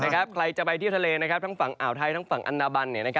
ใครจะไปเที่ยวทะเลทั้งฝั่งอ่าวไทยทั้งฝั่งอันดาบัน